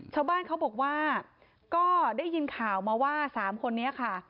ชาวบ้านเขาบอกว่าก็ได้ยินข่าวมาว่า๓คนนี้ค่ะ